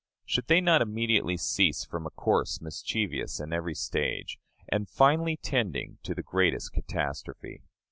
Should they not immediately cease from a course mischievous in every stage, and finally tending to the greatest catastrophe?